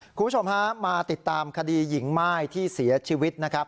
คุณผู้ชมฮะมาติดตามคดีหญิงม่ายที่เสียชีวิตนะครับ